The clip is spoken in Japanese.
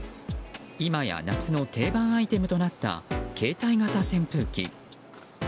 今や夏の定番アイテムとなった携帯型扇風機。